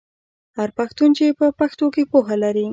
هر پښتون چې په پښتو کې پوهه لري.